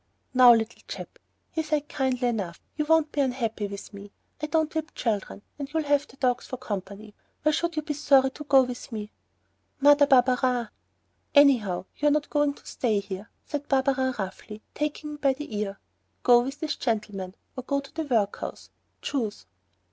"Now, little chap," he said, kindly enough, "you won't be unhappy with me. I don't whip children, and you'll have the dogs for company. Why should you be sorry to go with me?" "Mother Barberin!..." "Anyhow, you're not going to stay here," said Barberin roughly, taking me by the ear. "Go with this gentleman or go to the workhouse. Choose!"